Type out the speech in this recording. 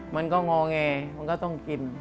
มันก็งอแงมันก็ต้องกิน